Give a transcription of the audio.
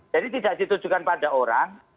jadi tidak ditujukan pada orang